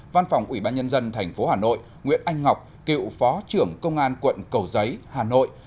văn phòng ubnd tp hà nội nguyễn anh ngọc cựu phó trưởng công an quận cầu giấy hà nội